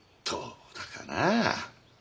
どうだかなあ。